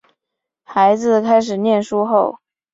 孩子开始念书后